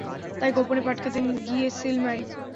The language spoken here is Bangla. তাই গোপনে পাটক্ষেতে গিয়ে সিল মারি!